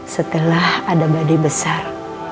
setelah ada badai besar